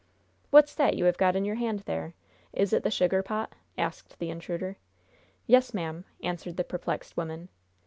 "What's that you have got in your hand there? Is it the sugar pot?" asked the intruder. "Yes, ma'am," answered the perplexed woman.